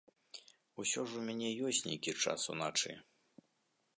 Усё ж у мяне ёсць нейкі час уначы.